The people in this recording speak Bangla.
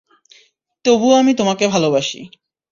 তবুও আমি তোমাকে ভালবাসি!